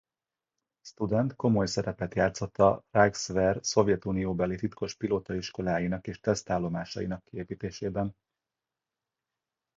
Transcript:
Student komoly szerepet játszott a Reichswehr szovjetunióbeli titkos pilótaiskoláinek és tesztállomásainak kiépítésében.